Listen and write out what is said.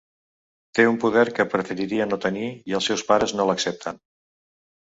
Té un poder que preferiria no tenir i els seus pares no l’accepten.